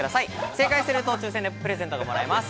正解すると抽選でプレゼントがもらえます。